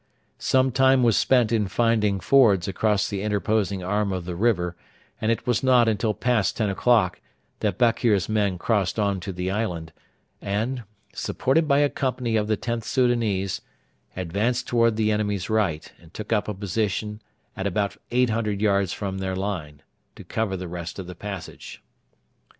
Some time was spent in finding fords across the interposing arm of the river, and it was not until past ten o'clock that Bakr's men crossed on to the island, and, supported by a company of the Xth Soudanese, advanced towards the enemy's right and took up a position at about 800 yards from their line, to cover the rest of the passage.